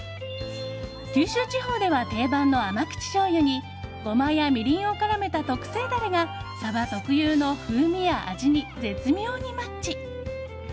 九州地方では定番の甘口しょうゆにゴマやみりんを絡めた特製ダレがサバ特有の風味や味に絶妙にマッチ。